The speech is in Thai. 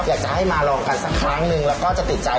อยากจะให้มาลองกันสักครั้งนึงแล้วก็จะติดใจ